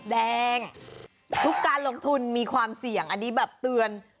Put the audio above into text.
แดงทุกการลงทุนมีความเสี่ยงอันนี้แบบเตือน